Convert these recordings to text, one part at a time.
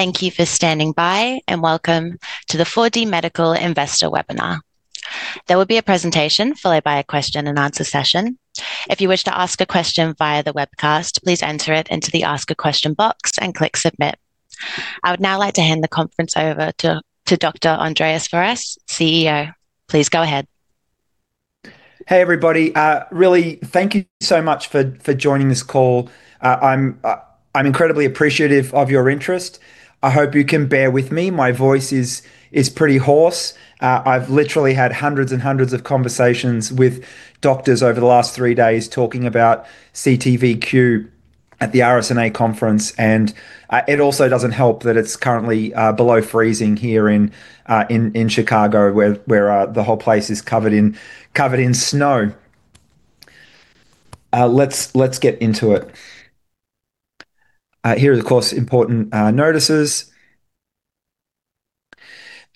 Thank you for standing by, and welcome to the 4DMedical Investor Webinar. There will be a presentation followed by a question and answer session. If you wish to ask a question via the webcast, please enter it into the Ask a Question box and click Submit. I would now like to hand the conference over to Dr. Andreas Fouras, CEO. Please go ahead. Hey, everybody. Really, thank you so much for joining this call. I'm incredibly appreciative of your interest. I hope you can bear with me. My voice is pretty hoarse. I've literally had hundreds and hundreds of conversations with doctors over the last three days talking about CT-VQ at the RSNA conference. And it also doesn't help that it's currently below freezing here in Chicago, where the whole place is covered in snow. Let's get into it. Here are, of course, important notices.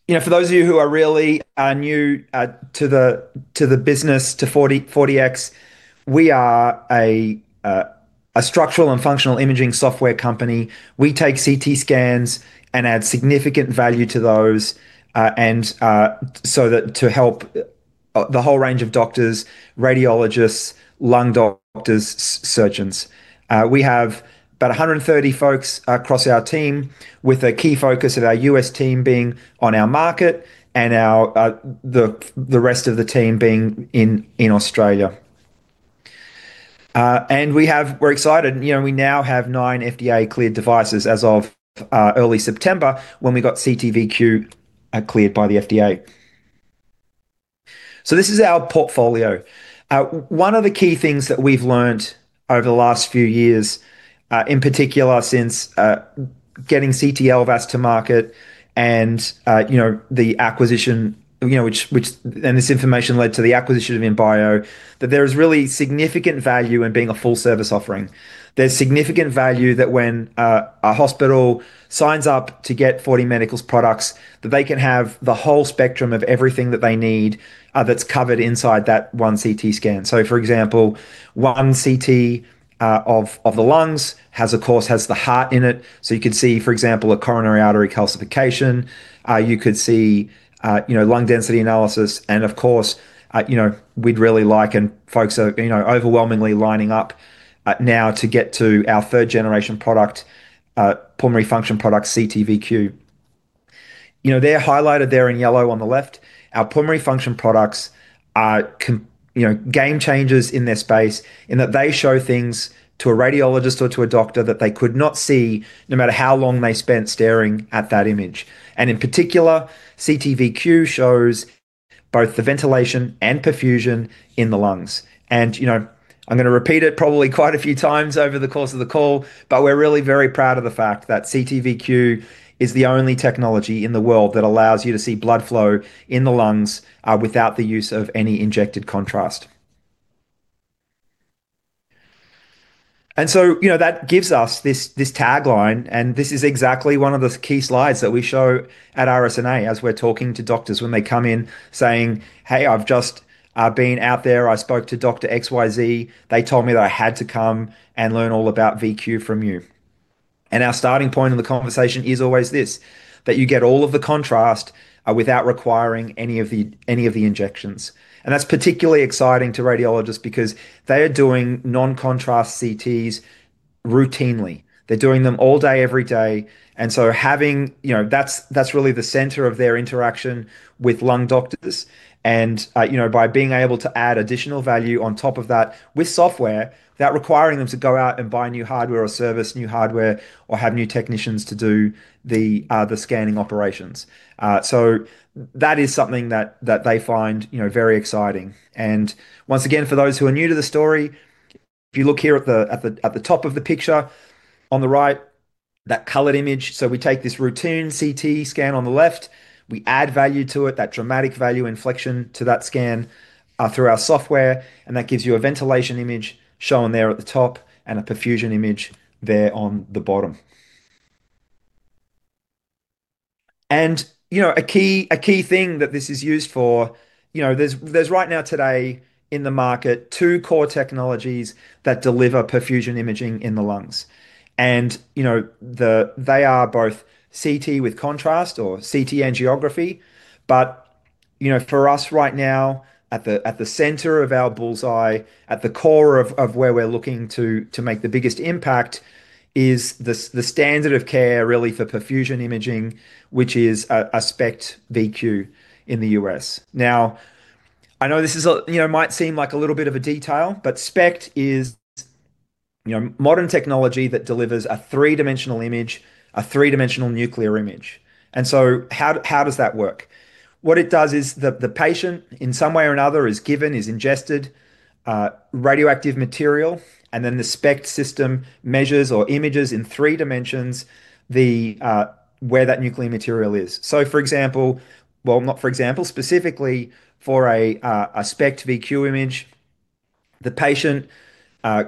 For those of you who are really new to the business, to 4Dx, we are a structural and functional imaging software company. We take CT scans and add significant value to those so that to help the whole range of doctors: radiologists, lung doctors, surgeons. We have about 130 folks across our team, with a key focus of our U.S. team being on our market and the rest of the team being in Australia. We're excited. We now have nine FDA-cleared devices as of early September when we got CT:VQ cleared by the FDA. This is our portfolio. One of the key things that we've learned over the last few years, in particular since getting CT-LVAS to market and the acquisition, and this information led to the acquisition of Imbio, that there is really significant value in being a full-service offering. There's significant value that when a hospital signs up to get 4DMedical's products, that they can have the whole spectrum of everything that they need that's covered inside that one CT scan. For example, one CT of the lungs has, of course, the heart in it. So you could see, for example, a coronary artery calcification. You could see lung density analysis. And, of course, we'd really like folks overwhelmingly lining up now to get to our third-generation pulmonary function product, CT:VQ. They're highlighted there in yellow on the left. Our pulmonary function products are game changers in their space in that they show things to a radiologist or to a doctor that they could not see no matter how long they spent staring at that image. And in particular, CT:VQ shows both the ventilation and perfusion in the lungs. And I'm going to repeat it probably quite a few times over the course of the call, but we're really very proud of the fact that CT:VQ is the only technology in the world that allows you to see blood flow in the lungs without the use of any injected contrast. And so that gives us this tagline. And this is exactly one of the key slides that we show at RSNA as we're talking to doctors when they come in saying, "Hey, I've just been out there. I spoke to Dr. XYZ. They told me that I had to come and learn all about VQ from you." And our starting point in the conversation is always this: that you get all of the contrast without requiring any of the injections. And that's particularly exciting to radiologists because they are doing non-contrast CTs routinely. They're doing them all day, every day. And so that's really the center of their interaction with lung doctors. And by being able to add additional value on top of that with software, that requires them to go out and buy new hardware or service new hardware or have new technicians to do the scanning operations. So that is something that they find very exciting. And once again, for those who are new to the story, if you look here at the top of the picture on the right, that colored image. So we take this routine CT scan on the left. We add value to it, that dramatic value inflection to that scan through our software. And that gives you a ventilation image shown there at the top and a perfusion image there on the bottom. And a key thing that this is used for, there's right now today in the market two core technologies that deliver perfusion imaging in the lungs. And they are both CT with contrast or CT angiography. But for us right now, at the center of our bullseye, at the core of where we're looking to make the biggest impact, is the standard of care really for perfusion imaging, which is a SPECT V/Q in the U.S. Now, I know this might seem like a little bit of a detail, but SPECT is modern technology that delivers a three-dimensional image, a three-dimensional nuclear image. And so how does that work? What it does is the patient, in some way or another, is given, is ingested radioactive material, and then the SPECT system measures or images in 3 dimensions where that nuclear material is. So, for example, well, not for example, specifically for a SPECT V/Q image, the patient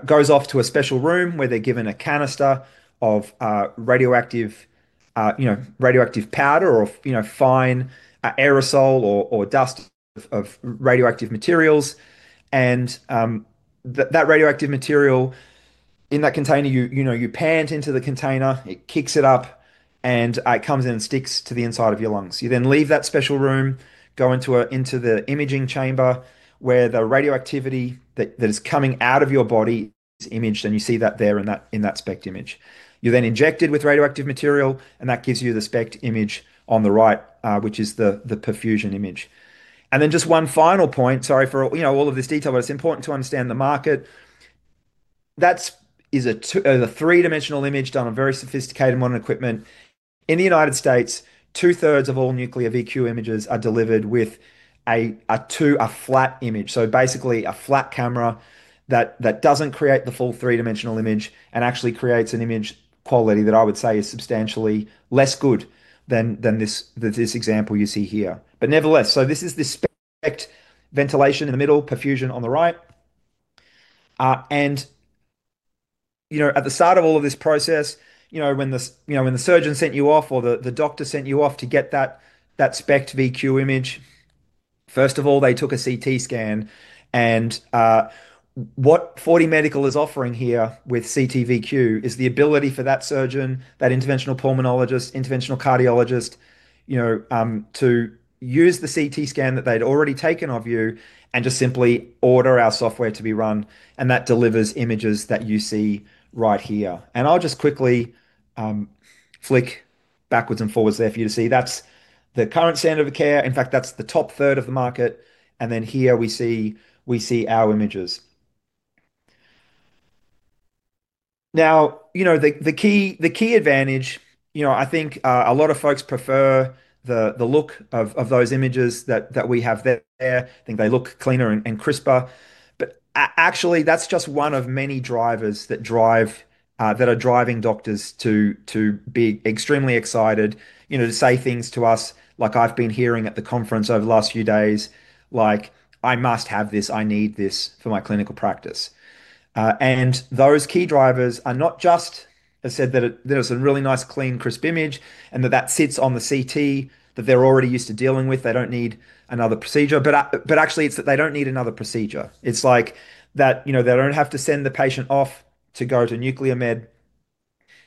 goes off to a special room where they're given a canister of radioactive powder or fine aerosol or dust of radioactive materials. And that radioactive material in that container, you breathe it in from the container, it kicks it up, and it comes in and sticks to the inside of your lungs. You then leave that special room, go into the imaging chamber where the radioactivity that is coming out of your body is imaged, and you see that there in that SPECT image. You're then injected with radioactive material, and that gives you the SPECT image on the right, which is the perfusion image. And then just one final point, sorry for all of this detail, but it's important to understand the market. That is a three-dimensional image done on very sophisticated modern equipment. In the United States, two-thirds of all nuclear V/Q images are delivered with a flat image. So basically, a flat camera that doesn't create the full three-dimensional image and actually creates an image quality that I would say is substantially less good than this example you see here. But nevertheless, so this is the SPECT ventilation in the middle, perfusion on the right. And at the start of all of this process, when the surgeon sent you off or the doctor sent you off to get that SPECT VQ image, first of all, they took a CT scan. And what 4DMedical is offering here with CT:VQ is the ability for that surgeon, that interventional pulmonologist, interventional cardiologist, to use the CT scan that they'd already taken of you and just simply order our software to be run. And that delivers images that you see right here. And I'll just quickly flick backwards and forwards there for you to see. That's the current standard of care. In fact, that's the top third of the market. And then here we see our images. Now, the key advantage, I think a lot of folks prefer the look of those images that we have there. I think they look cleaner and crisper. But actually, that's just one of many drivers that are driving doctors to be extremely excited to say things to us, like I've been hearing at the conference over the last few days, like, "I must have this. I need this for my clinical practice." And those key drivers are not just. Has said that it's a really nice, clean, crisp image and that sits on the CT that they're already used to dealing with. They don't need another procedure. But actually, it's that they don't need another procedure. It's like that they don't have to send the patient off to go to Nuclear Med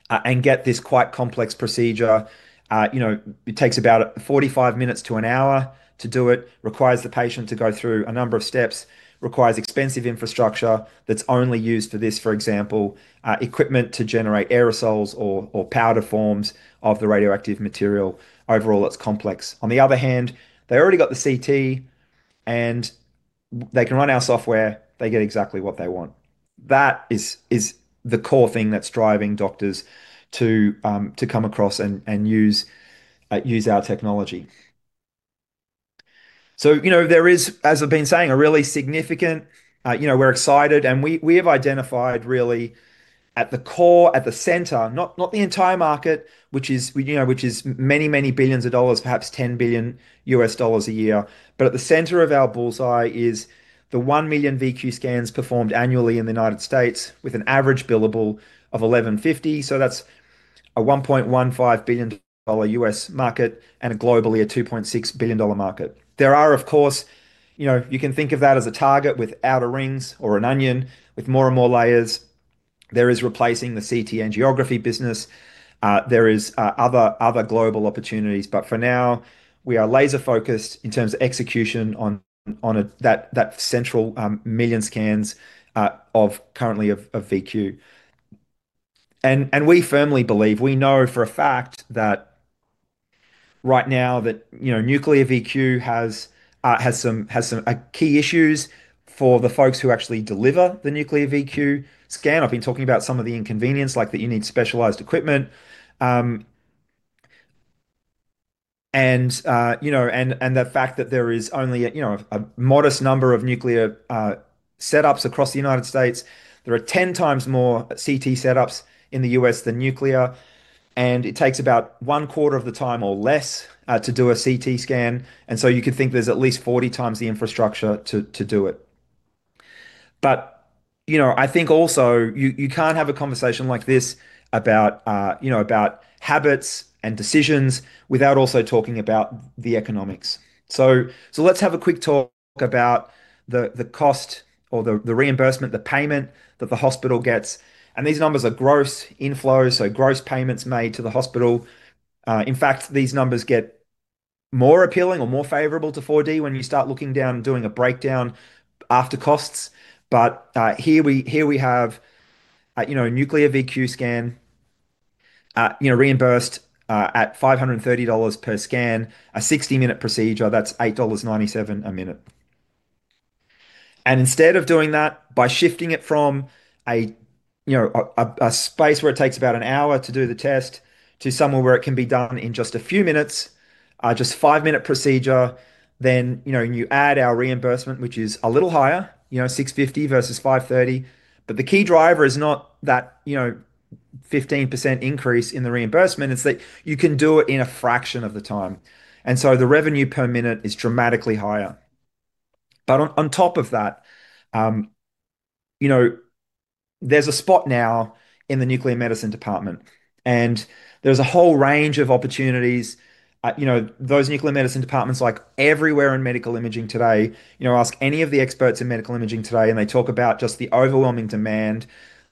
and get this quite complex procedure. It takes about 45 minutes to an hour to do it, requires the patient to go through a number of steps, requires expensive infrastructure that's only used for this, for example, equipment to generate aerosols or powder forms of the radioactive material. Overall, it's complex. On the other hand, they already got the CT, and they can run our software. They get exactly what they want. That is the core thing that's driving doctors to come across and use our technology. So there is, as I've been saying, a really significant we're excited. And we have identified really at the core, at the center, not the entire market, which is many, many billions of dollars, perhaps $10 billion a year. But at the center of our bullseye is the one million VQ scans performed annually in the United States with an average billable of $11.50. So that's a $1.15 billion U.S. market and globally a $2.6 billion market. There are, of course, you can think of that as a target with outer rings or an onion with more and more layers. There is replacing the CT angiography business. There are other global opportunities. But for now, we are laser-focused in terms of execution on that central one million scans of currently of VQ. And we firmly believe, we know for a fact that right now that nuclear VQ has some key issues for the folks who actually deliver the nuclear VQ scan. I've been talking about some of the inconvenience, like that you need specialized equipment. And the fact that there is only a modest number of nuclear setups across the United States. There are 10x more CT setups in the U.S. than nuclear. And it takes about one quarter of the time or less to do a CT scan. And so you could think there's at least 40x the infrastructure to do it. But I think also you can't have a conversation like this about habits and decisions without also talking about the economics. So let's have a quick talk about the cost or the reimbursement, the payment that the hospital gets. And these numbers are gross inflows, so gross payments made to the hospital. In fact, these numbers get more appealing or more favorable to 4D when you start looking down and doing a breakdown after costs. But here we have a nuclear VQ scan reimbursed at $530 per scan, a 60-minute procedure. That's $8.97 a minute. And instead of doing that by shifting it from a space where it takes about an hour to do the test to somewhere where it can be done in just a few minutes, just a five-minute procedure, then you add our reimbursement, which is a little higher, $6.50 versus $5.30. But the key driver is not that 15% increase in the reimbursement. It's that you can do it in a fraction of the time. And so the revenue per minute is dramatically higher. But on top of that, there's a spot now in the nuclear medicine department. And there's a whole range of opportunities. Those nuclear medicine departments, like everywhere in medical imaging today, ask any of the experts in medical imaging today, and they talk about just the overwhelming demand,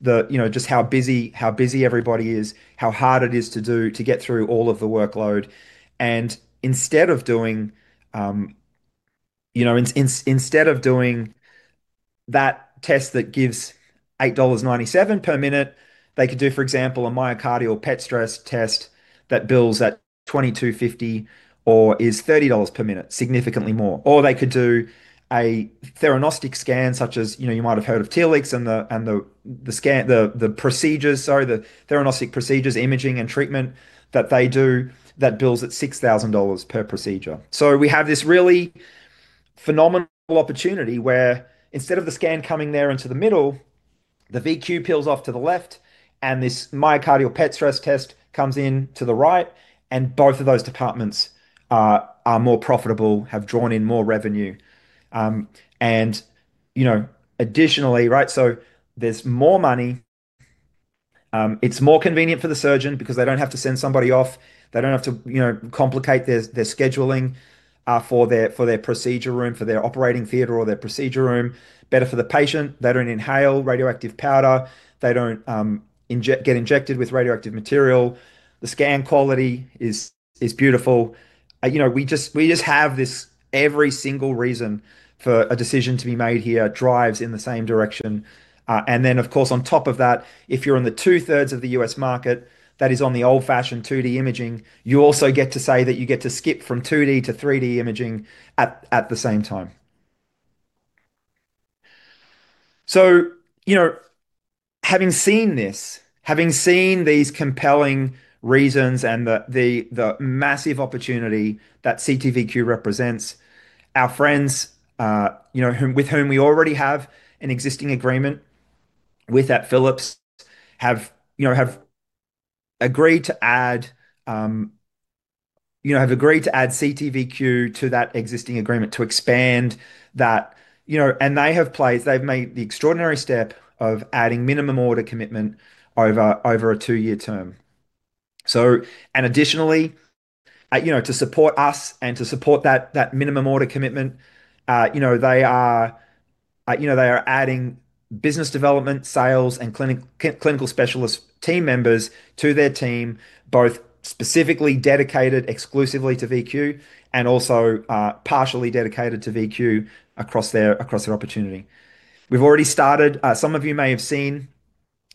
just how busy everybody is, how hard it is to get through all of the workload. And instead of doing that test that gives $8.97 per minute, they could do, for example, a myocardial PET stress test that bills at $22.50 or is $30 per minute, significantly more. Or they could do a theranostic scan such as you might have heard of TLX and the procedures, sorry, the theranostic procedures, imaging and treatment that they do that bills at $6,000 per procedure. So we have this really phenomenal opportunity where instead of the scan coming there into the middle, the VQ peels off to the left, and this myocardial PET stress test comes in to the right. Both of those departments are more profitable and have drawn in more revenue. Additionally, right, so there's more money. It's more convenient for the surgeon because they don't have to send somebody off. They don't have to complicate their scheduling for their procedure room, for their operating theater or their procedure room. Better for the patient. They don't inhale radioactive powder. They don't get injected with radioactive material. The scan quality is beautiful. We just have this. Every single reason for a decision to be made here drives in the same direction. Then, of course, on top of that, if you're in the two-thirds of the U.S. market that is on the old-fashioned 2D imaging, you also get to say that you get to skip from 2D to 3D imaging at the same time. So, having seen this, having seen these compelling reasons and the massive opportunity that CT:VQ represents, our friends with whom we already have an existing agreement with at Philips have agreed to add CT:VQ to that existing agreement to expand that. And they have made the extraordinary step of adding minimum order commitment over a two-year term. And additionally, to support us and to support that minimum order commitment, they are adding business development, sales, and clinical specialist team members to their team, both specifically dedicated exclusively to VQ and also partially dedicated to VQ across their opportunity. We've already started. Some of you may have seen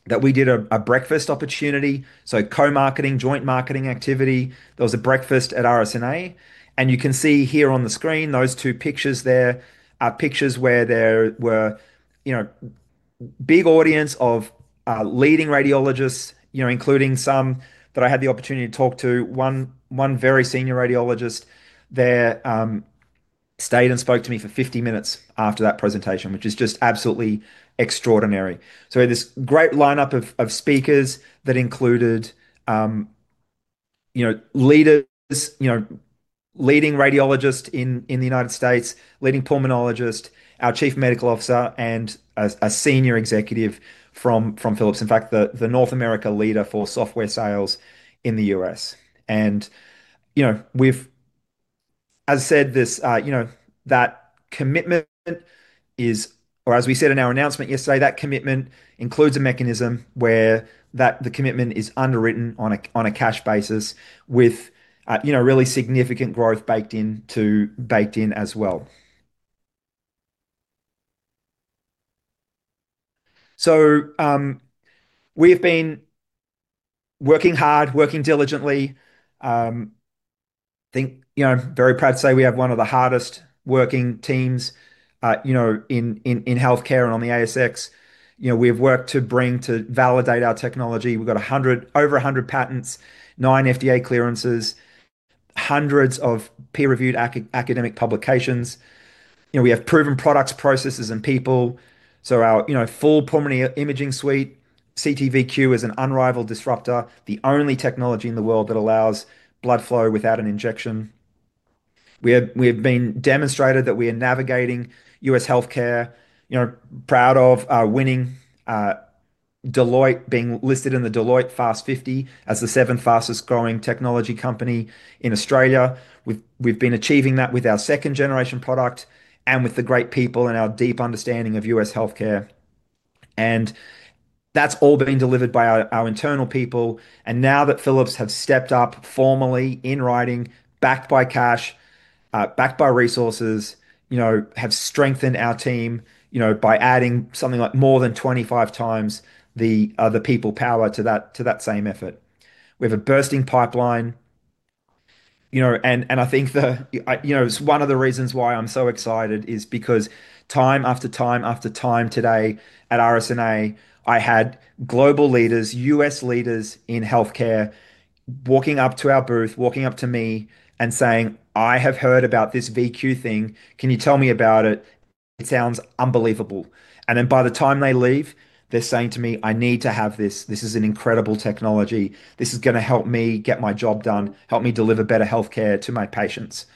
that we did a breakfast opportunity, so co-marketing, joint marketing activity. There was a breakfast at RSNA. And you can see here on the screen, those two pictures there are pictures where there were a big audience of leading radiologists, including some that I had the opportunity to talk to. One very senior radiologist there stayed and spoke to me for 50 minutes after that presentation, which is just absolutely extraordinary. So we had this great lineup of speakers that included leaders, leading radiologists in the United States, leading pulmonologists, our Chief Medical Officer, and a senior executive from Philips, in fact, the North America leader for software sales in the U.S. And as I said, that commitment is, or as we said in our announcement yesterday, that commitment includes a mechanism where the commitment is underwritten on a cash basis with really significant growth baked in as well. So we have been working hard, working diligently. I'm very proud to say we have one of the hardest working teams in healthcare and on the ASX. We have worked to bring to validate our technology. We've got over 100 patents, nine FDA clearances, hundreds of peer-reviewed academic publications. We have proven products, processes, and people, so our full pulmonary imaging suite, CT-VQ, is an unrivaled disruptor, the only technology in the world that allows blood flow without an injection. We have been demonstrated that we are navigating U.S. healthcare, proud of winning Deloitte, being listed in the Deloitte Fast 50 as the seventh fastest growing technology company in Australia. We've been achieving that with our second-generation product and with the great people and our deep understanding of U.S. healthcare, and that's all been delivered by our internal people. And now that Philips have stepped up formally in writing, backed by cash, backed by resources, have strengthened our team by adding something like more than 25x the other people power to that same effort. We have a bursting pipeline. And I think it's one of the reasons why I'm so excited is because time after time after time today at RSNA, I had global leaders, U.S. leaders in healthcare walking up to our booth, walking up to me and saying, "I have heard about this VQ thing. Can you tell me about it? It sounds unbelievable." And then by the time they leave, they're saying to me, "I need to have this. This is an incredible technology. This is going to help me get my job done, help me deliver better healthcare to my patients."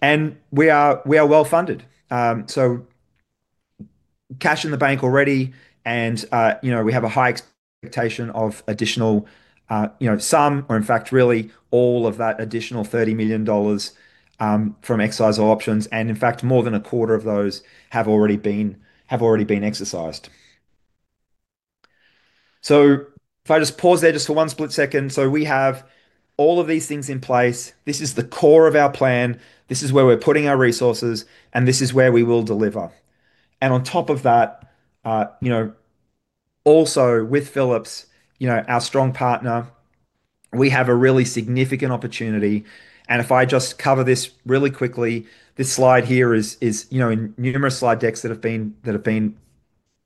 And we are well funded. So cash in the bank already. And we have a high expectation of additional sum, or in fact, really all of that additional $30 million from exercise options. And in fact, more than a quarter of those have already been exercised. So if I just pause there just for one split second. So we have all of these things in place. This is the core of our plan. This is where we're putting our resources, and this is where we will deliver. And on top of that, also with Philips, our strong partner, we have a really significant opportunity. And if I just cover this really quickly, this slide here is in numerous slide decks that have been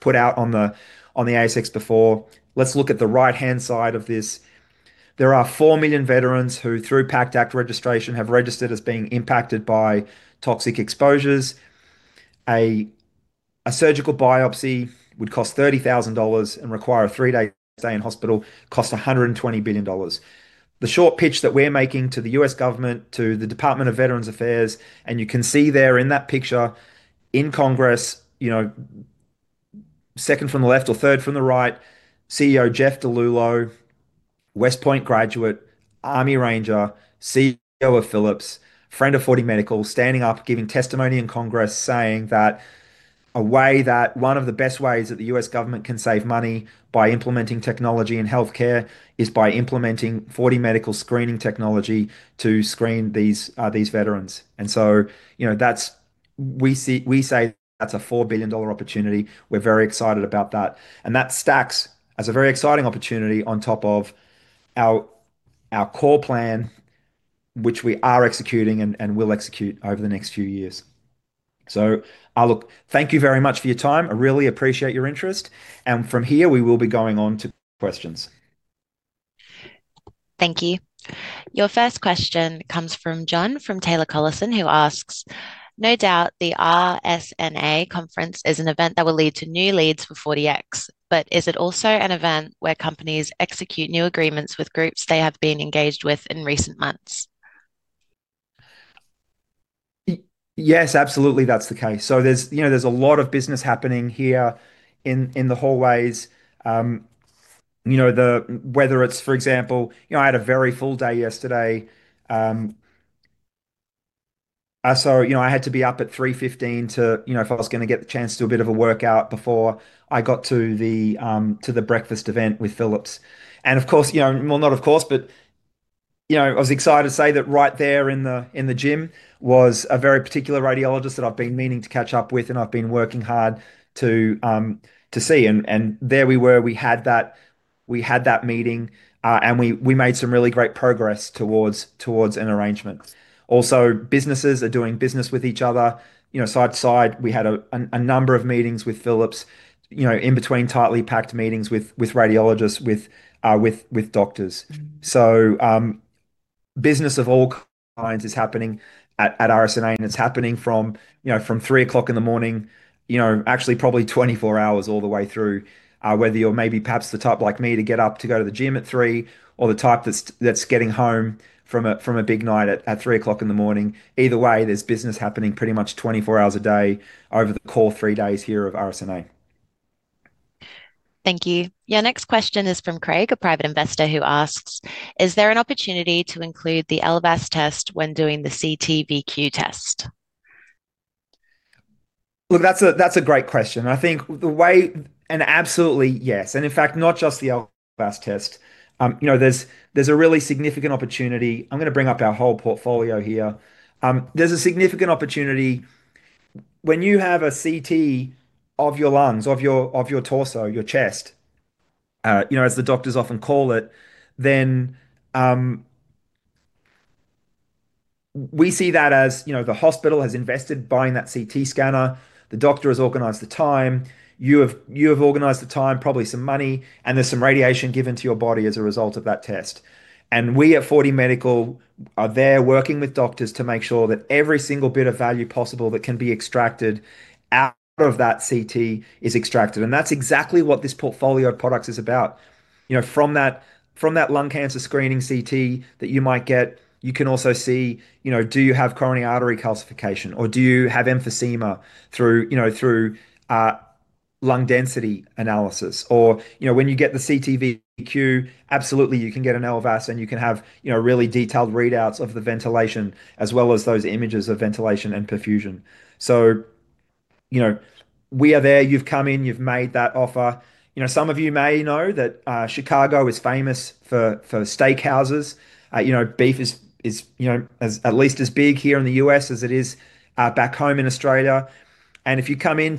put out on the ASX before. Let's look at the right-hand side of this. There are 4 million veterans who, through PACT Act registration, have registered as being impacted by toxic exposures. A surgical biopsy would cost $30,000 and require a three-day stay in hospital. Costs $120 billion. The short pitch that we're making to the U.S. government, to the Department of Veterans Affairs, and you can see there in that picture in Congress, second from the left or third from the right, CEO Jeff DiLullo, West Point graduate, Army Ranger, CEO of Philips, friend of 4DMedical, standing up, giving testimony in Congress saying that one of the best ways that the U.S. government can save money by implementing technology in healthcare is by implementing 4DMedical screening technology to screen these veterans, and so we say that's a $4 billion opportunity. We're very excited about that, and that stacks as a very exciting opportunity on top of our core plan, which we are executing and will execute over the next few years, so thank you very much for your time. I really appreciate your interest. From here, we will be going on to questions. Thank you. Your first question comes from John from Taylor Collison, who asks, "No doubt the RSNA conference is an event that will lead to new leads for 4Dx, but is it also an event where companies execute new agreements with groups they have been engaged with in recent months?" Yes, absolutely. That's the case. There's a lot of business happening here in the hallways. Whether it's, for example, I had a very full day yesterday. I had to be up at 3:15 A.M. if I was going to get the chance to do a bit of a workout before I got to the breakfast event with Philips. And of course, well, not of course, but I was excited to say that right there in the gym was a very particular radiologist that I've been meaning to catch up with, and I've been working hard to see. And there we were. We had that meeting, and we made some really great progress towards an arrangement. Also, businesses are doing business with each other side to side. We had a number of meetings with Philips in between tightly packed meetings with radiologists, with doctors. So business of all kinds is happening at RSNA, and it's happening from 3:00 A.M., actually probably 24 hours all the way through, whether you're maybe perhaps the type like me to get up to go to the gym at 3:00 A.M. or the type that's getting home from a big night at 3:00 A.M. Either way, there's business happening pretty much 24 hours a day over the core three days here of RSNA. Thank you. Yeah. Next question is from Craig, a private investor who asks, "Is there an opportunity to include the LVAS test when doing the CT:VQ test?" Look, that's a great question. I think the way, and absolutely yes. And in fact, not just the LVAS test. There's a really significant opportunity. I'm going to bring up our whole portfolio here. There's a significant opportunity when you have a CT of your lungs, of your torso, your chest, as the doctors often call it, then we see that as the hospital has invested buying that CT scanner. The doctor has organized the time. You have organized the time, probably some money, and there's some radiation given to your body as a result of that test. We at 4DMedical are there working with doctors to make sure that every single bit of value possible that can be extracted out of that CT is extracted. And that's exactly what this portfolio of products is about. From that lung cancer screening CT that you might get, you can also see, do you have coronary artery calcification, or do you have emphysema through lung density analysis? Or when you get the CT:VQ, absolutely, you can get a LVAS, and you can have really detailed readouts of the ventilation as well as those images of ventilation and perfusion. We are there. You've come in. You've made that offer. Some of you may know that Chicago is famous for steakhouses. Beef is at least as big here in the U.S. as it is back home in Australia. If you come in,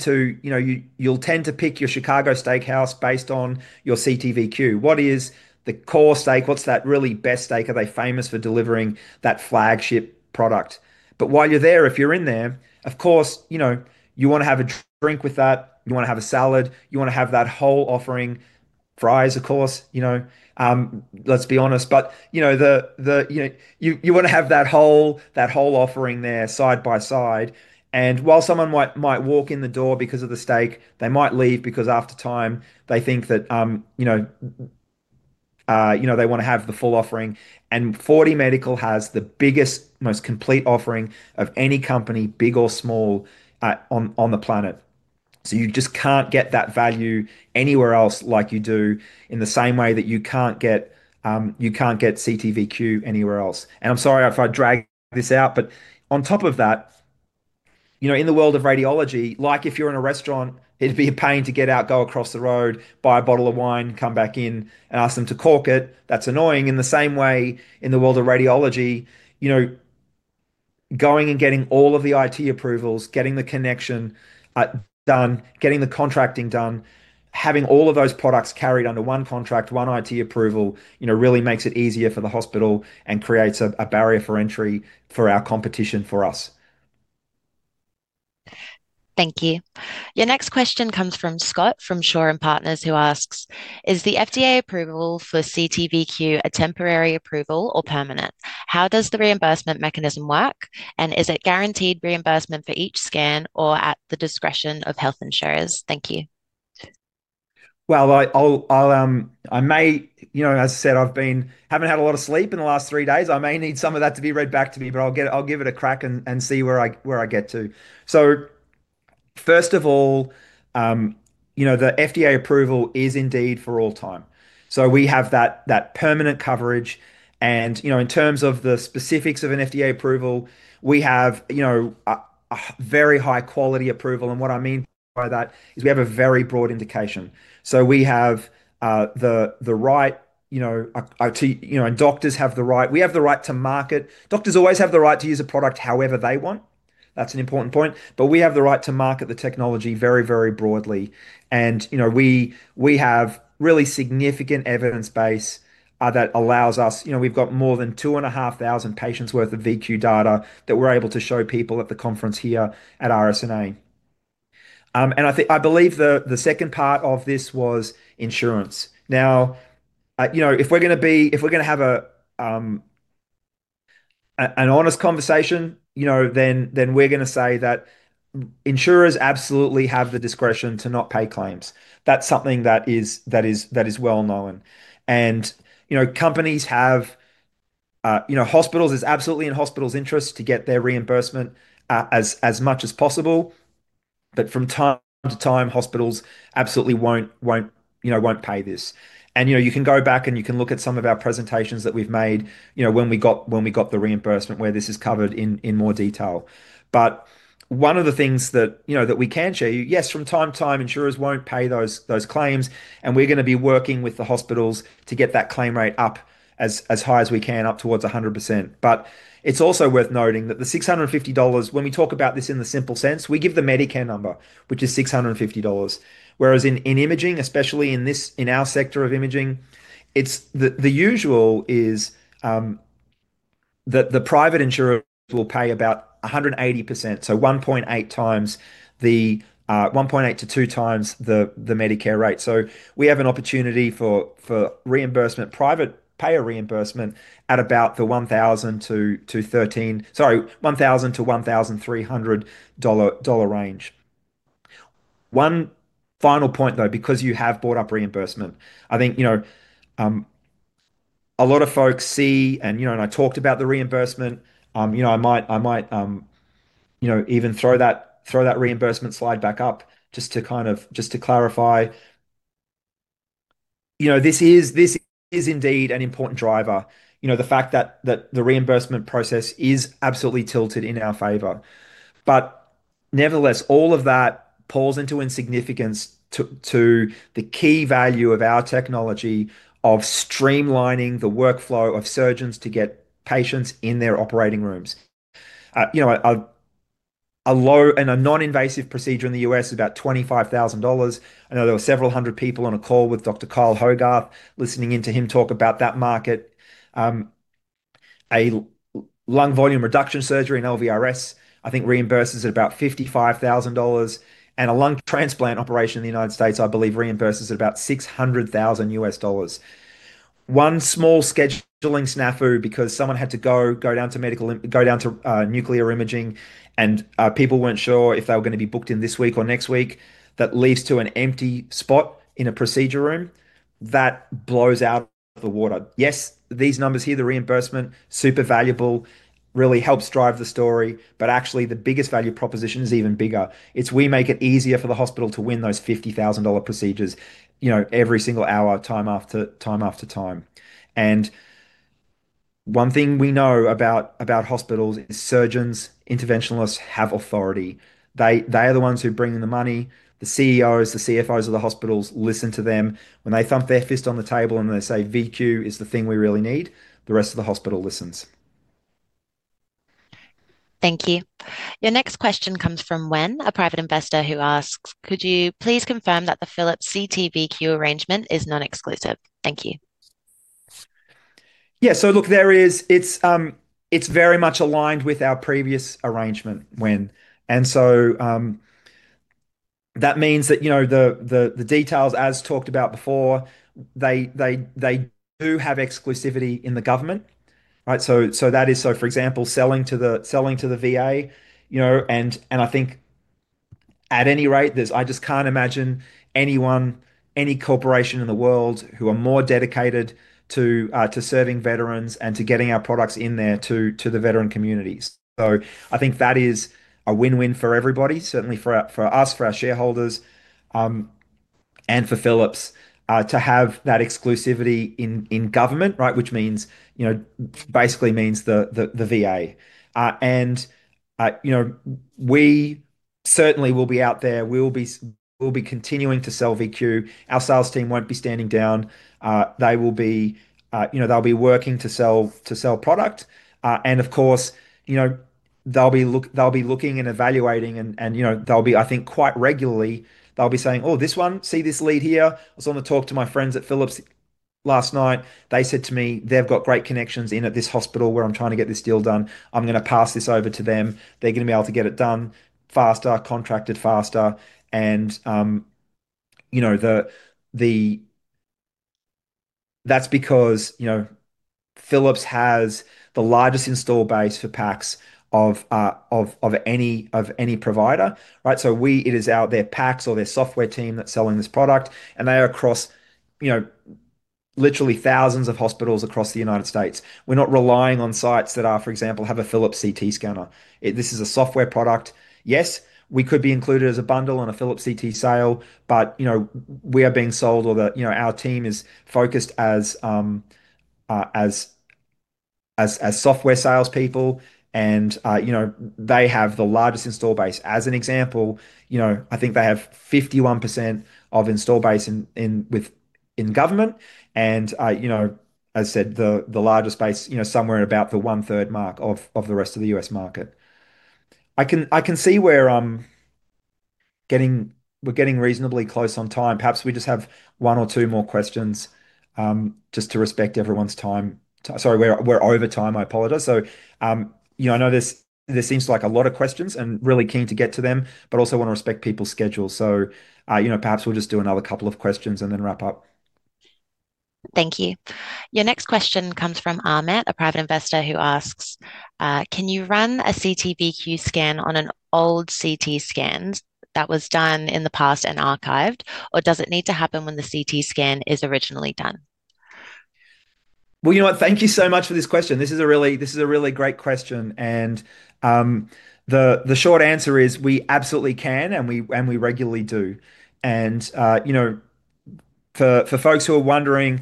you'll tend to pick your Chicago steakhouse based on your CT:VQ. What is the core steak? What is that really best steak? Are they famous for delivering that flagship product? While you're there, if you're in there, of course, you want to have a drink with that. You want to have a salad. You want to have that whole offering, fries, of course. Let's be honest. You want to have that whole offering there side by side. While someone might walk in the door because of the steak, they might leave because after time they think that they want to have the full offering. 4DMedical has the biggest, most complete offering of any company, big or small, on the planet. So you just can't get that value anywhere else like you do in the same way that you can't get CT-VQ anywhere else. And I'm sorry if I drag this out, but on top of that, in the world of radiology, like if you're in a restaurant, it'd be a pain to get out, go across the road, buy a bottle of wine, come back in, and ask them to cork it. That's annoying. In the same way, in the world of radiology, going and getting all of the IT approvals, getting the connection done, getting the contracting done, having all of those products carried under one contract, one IT approval really makes it easier for the hospital and creates a barrier for entry for our competition for us. Thank you. Your next question comes from Scott from Shore & Partners, who asks, "Is the FDA approval for CT:VQ a temporary approval or permanent? How does the reimbursement mechanism work? And is it guaranteed reimbursement for each scan or at the discretion of health insurers?" Thank you. Well, I may, as I said, I haven't had a lot of sleep in the last three days. I may need some of that to be read back to me, but I'll give it a crack and see where I get to. So first of all, the FDA approval is indeed for all time. So we have that permanent coverage. And in terms of the specifics of an FDA approval, we have a very high-quality approval. And what I mean by that is we have a very broad indication. So we have the right, and doctors have the right. We have the right to market. Doctors always have the right to use a product however they want. That's an important point. But we have the right to market the technology very, very broadly. And we have really significant evidence base that allows us. We've got more than two and a half thousand patients' worth of VQ data that we're able to show people at the conference here at RSNA. And I believe the second part of this was insurance. Now, if we're going to have an honest conversation, then we're going to say that insurers absolutely have the discretion to not pay claims. That's something that is well known. And it's absolutely in hospitals' interest to get their reimbursement as much as possible. But from time to time, hospitals absolutely won't pay this. And you can go back and you can look at some of our presentations that we've made when we got the reimbursement where this is covered in more detail. But one of the things that we can share, yes, from time to time, insurers won't pay those claims. And we're going to be working with the hospitals to get that claim rate up as high as we can, up towards 100%. But it's also worth noting that the $650, when we talk about this in the simple sense, we give the Medicare number, which is $650. Whereas in imaging, especially in our sector of imaging, the usual is that the private insurer will pay about 180%, so 1.8x to 2x the Medicare rate. So we have an opportunity for reimbursement, private payer reimbursement at about the $1,000-$1,300 range. One final point, though, because you have brought up reimbursement, I think a lot of folks see, and I talked about the reimbursement. I might even throw that reimbursement slide back up just to clarify. This is indeed an important driver, the fact that the reimbursement process is absolutely tilted in our favor. But nevertheless, all of that pulls into insignificance to the key value of our technology of streamlining the workflow of surgeons to get patients in their operating rooms. A low and a non-invasive procedure in the U.S. is about $25,000. I know there were several hundred people on a call with Dr. Kyle Hogarth listening in to him talk about that market. A lung volume reduction surgery in LVRS, I think, reimburses at about $55,000. And a lung transplant operation in the United States, I believe, reimburses at about $600,000. One small scheduling SNAFU because someone had to go down to nuclear imaging and people weren't sure if they were going to be booked in this week or next week that leads to an empty spot in a procedure room, that blows out of the water. Yes, these numbers here, the reimbursement, super valuable, really helps drive the story. But actually, the biggest value proposition is even bigger. It's we make it easier for the hospital to win those $50,000 procedures every single hour, time after time. And one thing we know about hospitals is surgeons, interventionalists have authority. They are the ones who bring in the money. The CEOs, the CFOs of the hospitals listen to them. When they thump their fist on the table and they say, "VQ is the thing we really need," the rest of the hospital listens. Thank you. Your next question comes from Wen, a private investor who asks, "Could you please confirm that the Philips CT-VQ arrangement is non-exclusive?" Thank you. Yeah. So look, it's very much aligned with our previous arrangement, Wen. And so that means that the details, as talked about before, they do have exclusivity in the government. So that is, for example, selling to the VA. And I think at any rate, I just can't imagine anyone, any corporation in the world who are more dedicated to serving veterans and to getting our products in there to the veteran communities. So I think that is a win-win for everybody, certainly for us, for our shareholders, and for Philips to have that exclusivity in government, which basically means the VA. And we certainly will be out there. We'll be continuing to sell VQ. Our sales team won't be standing down. They will be working to sell product. And of course, they'll be looking and evaluating. And they'll be, I think, quite regularly, they'll be saying, "Oh, this one, see this lead here? I was on the phone to my friends at Philips last night. They said to me, 'They've got great connections in at this hospital where I'm trying to get this deal done. I'm going to pass this over to them. They're going to be able to get it done faster, contracted faster.'" And that's because Philips has the largest install base for PACS of any provider. So it is our PACS or their software team that's selling this product. And they are across literally thousands of hospitals across the United States. We're not relying on sites that are, for example, have a Philips CT scanner. This is a software product. Yes, we could be included as a bundle on a Philips CT sale, but we are being sold or our team is focused as software salespeople. And they have the largest install base. As an example, I think they have 51% of install base in government. And as I said, the largest base is somewhere about the one-third mark of the rest of the U.S. market. I can see where we're getting reasonably close on time. Perhaps we just have one or two more questions just to respect everyone's time. Sorry, we're over time. I apologize. So I know this seems like a lot of questions and really keen to get to them, but also want to respect people's schedules. So perhaps we'll just do another couple of questions and then wrap up. Thank you. Your next question comes from Ahmed, a private investor who asks, "Can you run a CT:VQ scan on an old CT scan that was done in the past and archived, or does it need to happen when the CT scan is originally done?" Well, you know what? Thank you so much for this question. This is a really great question. And the short answer is we absolutely can, and we regularly do. For folks who are wondering,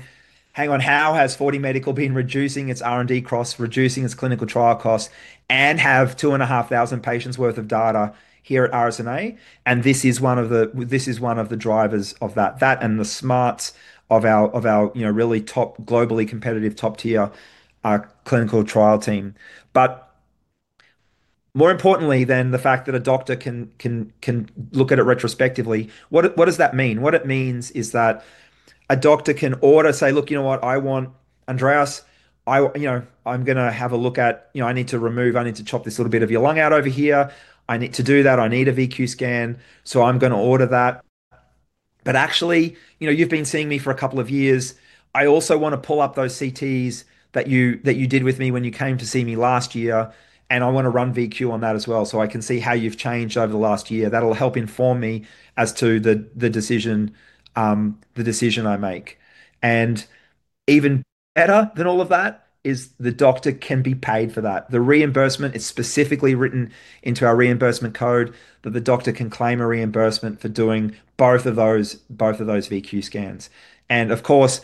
"Hang on, how has 4DMedical been reducing its R&D costs, reducing its clinical trial costs, and have two and a half thousand patients' worth of data here at RSNA?" This is one of the drivers of that and the smarts of our really top globally competitive top-tier clinical trial team. But more importantly than the fact that a doctor can look at it retrospectively, what does that mean? What it means is that a doctor can order, say, "Look, you know what? I want, Andreas, I'm going to have a look at I need to remove, I need to chop this little bit of your lung out over here. I need to do that. I need a VQ scan. So I'm going to order that. But actually, you've been seeing me for a couple of years. I also want to pull up those CTs that you did with me when you came to see me last year. And I want to run VQ on that as well so I can see how you've changed over the last year." That'll help inform me as to the decision I make. And even better than all of that is the doctor can be paid for that. The reimbursement is specifically written into our reimbursement code that the doctor can claim a reimbursement for doing both of those VQ scans. And of course,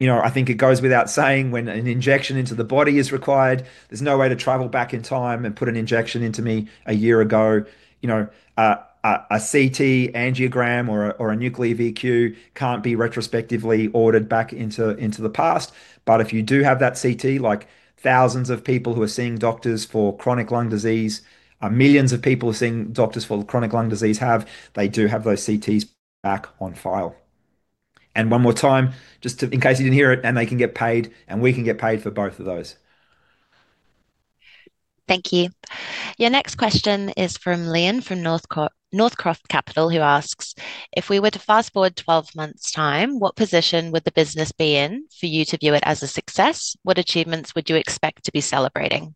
I think it goes without saying when an injection into the body is required, there's no way to travel back in time and put an injection into me a year ago. A CT angiogram or a nuclear VQ can't be retrospectively ordered back into the past. But if you do have that CT, like thousands of people who are seeing doctors for chronic lung disease, millions of people who are seeing doctors for chronic lung disease have, they do have those CTs back on file. And one more time, just in case you didn't hear it, and they can get paid, and we can get paid for both of those. Thank you. Your next question is from Liam from Northcliffe Capital who asks, "If we were to fast forward 12 months' time, what position would the business be in for you to view it as a success? What achievements would you expect to be celebrating?"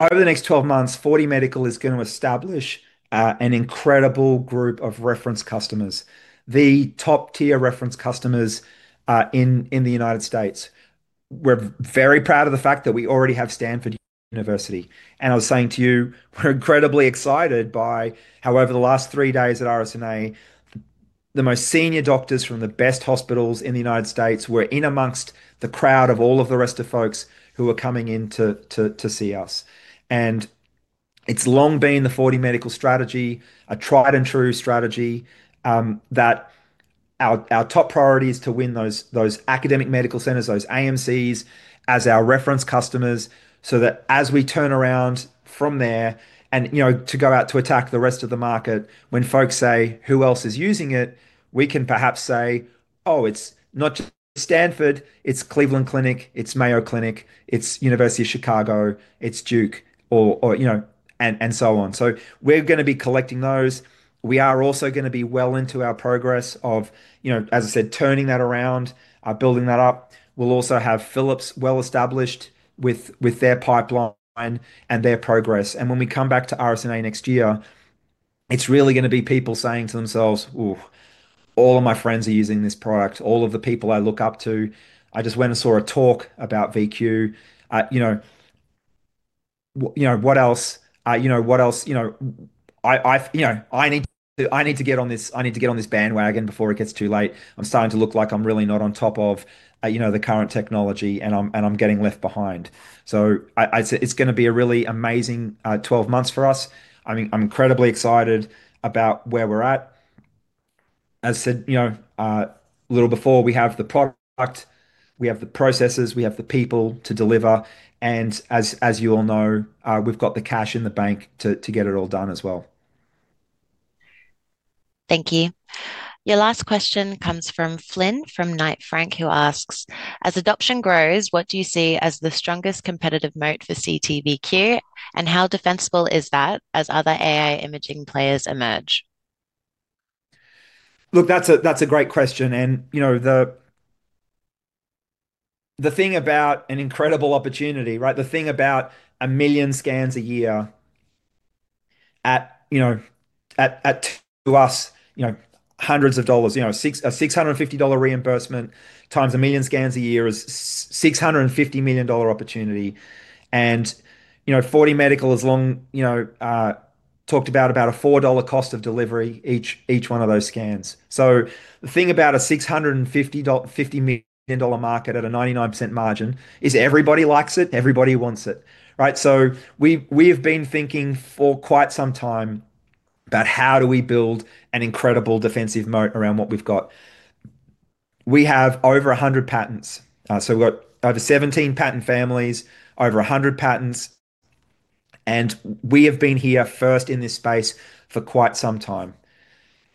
Over the next 12 months, 4DMedical is going to establish an incredible group of reference customers. The top-tier reference customers in the United States. We're very proud of the fact that we already have Stanford University. And I was saying to you, we're incredibly excited by how over the last three days at RSNA, the most senior doctors from the best hospitals in the United States were in amongst the crowd of all of the rest of folks who were coming in to see us. And it's long been the 4DMedical strategy, a tried-and-true strategy, that our top priority is to win those academic medical centers, those AMCs as our reference customers so that as we turn around from there and to go out to attack the rest of the market, when folks say, "Who else is using it?" we can perhaps say, "Oh, it's not just Stanford. It's Cleveland Clinic. It's Mayo Clinic. It's University of Chicago. It's Duke," and so on. So we're going to be collecting those. We are also going to be well into our progress of, as I said, turning that around, building that up. We'll also have Philips well established with their pipeline and their progress. And when we come back to RSNA next year, it's really going to be people saying to themselves, "Oh, all of my friends are using this product. All of the people I look up to. I just went and saw a talk about VQ. What else? What else? I need to get on this I need to get on this bandwagon before it gets too late. I'm starting to look like I'm really not on top of the current technology, and I'm getting left behind." So it's going to be a really amazing 12 months for us. I'm incredibly excited about where we're at. As I said a little before, we have the product. We have the processes. We have the people to deliver. And as you all know, we've got the cash in the bank to get it all done as well. Thank you. Your last question comes from Flynn from Knight Frank who asks, "As adoption grows, what do you see as the strongest competitive moat for CT-VQ? And how defensible is that as other AI imaging players emerge?" Look, that's a great question. And the thing about an incredible opportunity, the thing about a million scans a year to us, hundreds of dollars, a $650 reimbursement times a million scans a year is a $650 million opportunity. And 4DMedical has long talked about a $4 cost of delivery each one of those scans. So the thing about a $650 million market at a 99% margin is everybody likes it. Everybody wants it. We have been thinking for quite some time about how do we build an incredible defensive moat around what we've got. We have over 100 patents. So we've got over 17 patent families, over 100 patents. And we have been here first in this space for quite some time.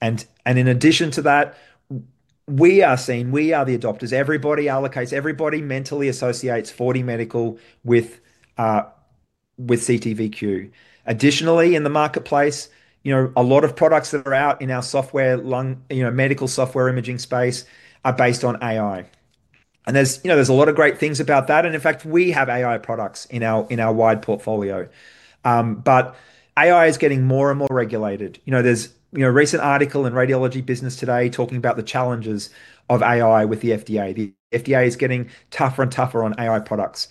And in addition to that, we are seen, we are the adopters. Everybody allocates, everybody mentally associates 4DMedical with CT-VQ. Additionally, in the marketplace, a lot of products that are out in our software medical software imaging space are based on AI. And there's a lot of great things about that. And in fact, we have AI products in our wide portfolio. But AI is getting more and more regulated. There's a recent article in Radiology Business Today talking about the challenges of AI with the FDA. The FDA is getting tougher and tougher on AI products.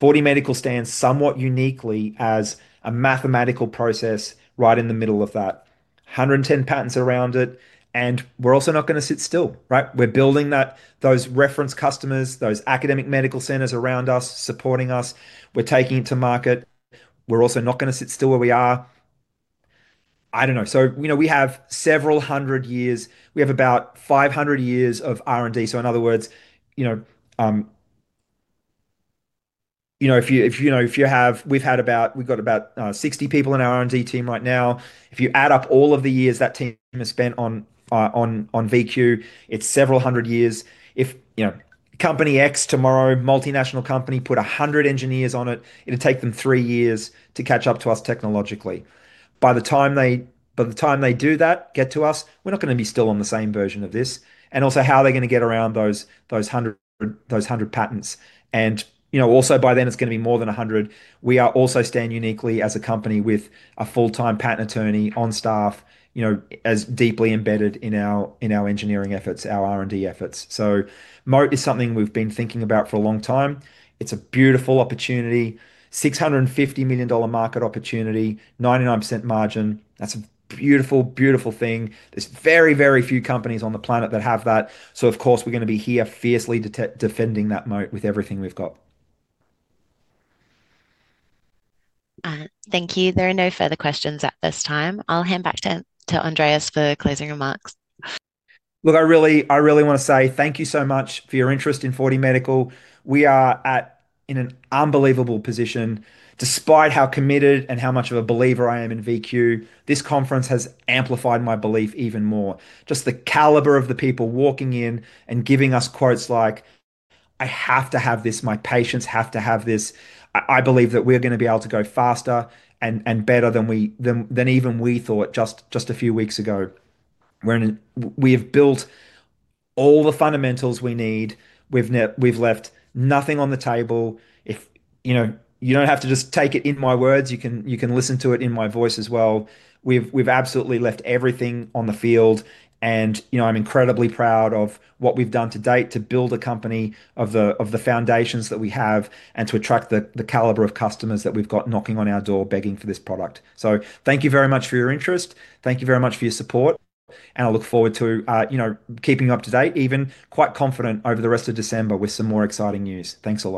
4DMedical stands somewhat uniquely as a mathematical process right in the middle of that. 110 patents around it. And we're also not going to sit still. We're building those reference customers, those academic medical centers around us, supporting us. We're taking it to market. We're also not going to sit still where we are. So we have several hundred years. We have about 500 years of R&D. So in other words, we've got about 60 people in our R&D team right now. If you add up all of the years that team has spent on VQ, it's several hundred years. If company X tomorrow, multinational company, put 100 engineers on it, it'll take them three years to catch up to us technologically. By the time they do that, get to us, we're not going to be still on the same version of this. And also how are they going to get around those 100 patents? And also by then, it's going to be more than 100. We also stand uniquely as a company with a full-time patent attorney on staff as deeply embedded in our engineering efforts, our R&D efforts. So moat is something we've been thinking about for a long time. It's a beautiful opportunity, $650 million market opportunity, 99% margin. That's a beautiful, beautiful thing. There's very, very few companies on the planet that have that. So of course, we're going to be here fiercely defending that moat with everything we've got. Thank you. There are no further questions at this time. I'll hand back to Andreas for closing remarks. Look, I really want to say thank you so much for your interest in 4DMedical. We are in an unbelievable position. Despite how committed and how much of a believer I am in VQ, this conference has amplified my belief even more. Just the caliber of the people walking in and giving us quotes like, "I have to have this. My patients have to have this." I believe that we're going to be able to go faster and better than even we thought just a few weeks ago. We have built all the fundamentals we need. We've left nothing on the table. You don't have to just take it in my words. You can listen to it in my voice as well. We've absolutely left everything on the field, and I'm incredibly proud of what we've done to date to build a company of the foundations that we have and to attract the caliber of customers that we've got knocking on our door begging for this product. So thank you very much for your interest. Thank you very much for your support. And I look forward to keeping you up to date, even quite confident over the rest of December with some more exciting news. Thanks a lot.